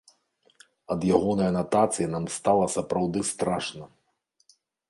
Ад ягонай анатацыі нам стала сапраўды страшна!